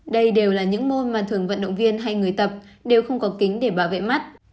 đây đều là những môn mà thường vận động viên hay người tập đều không có kính để bảo vệ mắt